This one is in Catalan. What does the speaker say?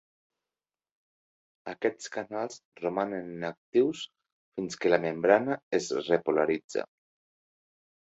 Aquests canals romanen inactius fins que la membrana es repolaritza.